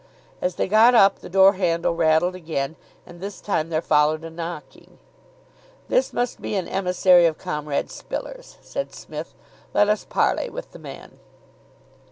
As they got up, the door handle rattled again, and this time there followed a knocking. "This must be an emissary of Comrade Spiller's," said Psmith. "Let us parley with the man."